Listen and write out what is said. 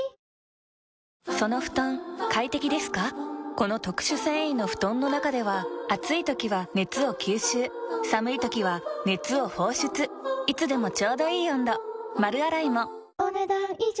この特殊繊維の布団の中では暑い時は熱を吸収寒い時は熱を放出いつでもちょうどいい温度丸洗いもお、ねだん以上。